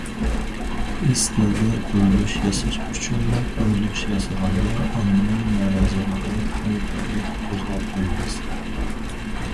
ئىستىلدا بۇرۇلۇش ياساش ئۈچۈنلا بۇرۇلۇش ياسىغاندا ئاممىنىڭ نارازىلىقىنى تېخىمۇ بەكرەك قوزغاپ قويىمىز.